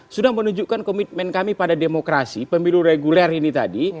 sudah menunjukkan komitmen kami pada demokrasi pemilu reguler ini tadi